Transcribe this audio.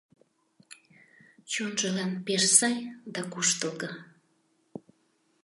Чонжылан пеш сай да куштылго.